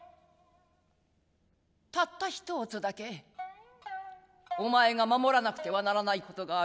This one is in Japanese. たったひとォつだけおまえが守らなくてはならないことがある。